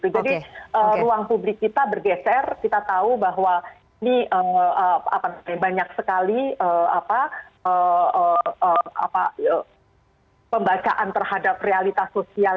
jadi ruang publik kita bergeser kita tahu bahwa ini banyak sekali pembacaan terhadap realitas sosial